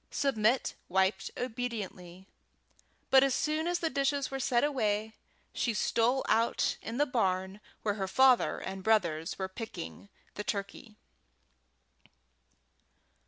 Submit wiped obediently, but as soon as the dishes were set away, she stole out in the barn where her father and brothers were picking the turkey.